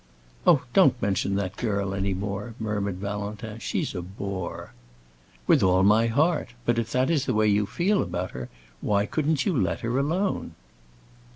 "Oh, don't mention that girl any more," murmured Valentin. "She's a bore." "With all my heart. But if that is the way you feel about her, why couldn't you let her alone?"